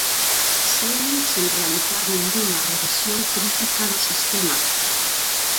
Seguen sen realizar ningunha revisión crítica do sistema.